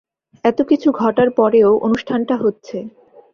এতোকিছু ঘটার পরেও অনুষ্ঠানটা হচ্ছে।